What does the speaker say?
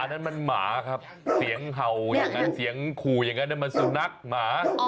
นั่นมันหมาครับเสียงเห่าอย่างนั้นเสียงขู่อย่างนั้นมันสุนัขหมา